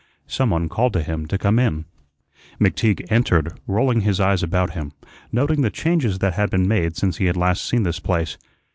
Some one called to him to come in. McTeague entered, rolling his eyes about him, noting the changes that had been made since he had last seen this place.